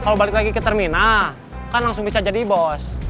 kalau balik lagi ke terminal kan langsung bisa jadi bos